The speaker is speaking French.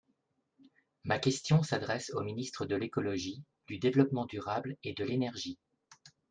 Ma question s’adresse au Ministre de l’écologie, du développement durable et de l’énergie.